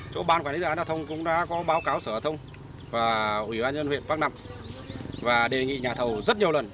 chỗ ban quản lý gia hạn hạ thông cũng đã có báo cáo sở hạ thông và ủy ban nhân huyện bắc nẵng và đề nghị nhà thầu rất nhiều lần